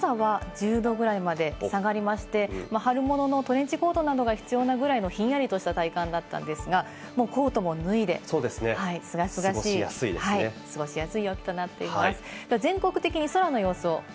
朝は１０度ぐらいまで下がりまして、春物のトレンチコートなどが必要なぐらいのひんやりとした体感だったんですが、コートを脱いでも、すがすがしい、過ごしやすい陽気となっています。